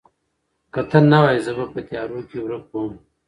که ته نه وای، زه به په تیارو کې ورک وم.